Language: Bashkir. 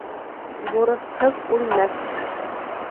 Бурысһыҙ үлмәҫ